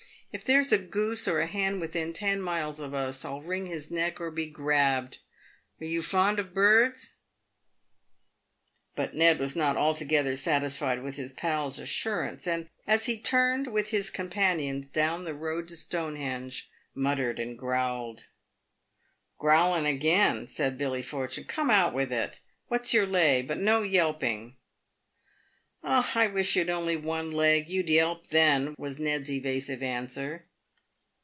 " If there's a goose or a ben within ten miles of us I'll wring his neck or be grabbed. Are you fond of birds ?" But Ned was not altogether satisfied with his pal's assurance, and, as he turned with his companions down the road to Stonehenge, muttered and growled. " G rowlin' again !" said Billy Fortune. " Come, out with it ? What's your lay ? But no yelping." " I wish you'd only one leg, you'd yelp then," was Ned's evasive answer.